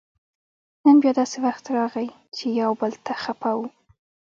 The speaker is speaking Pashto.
نن بیا داسې وخت راغی چې یو بل ته خپه وو